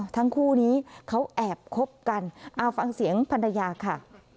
ทั้งคู่นี้เขาแอบคบกันเอาฟังเสียงภรรยาค่ะ